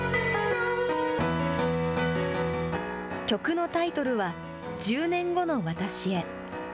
曲のタイトルは、十年後の私へ。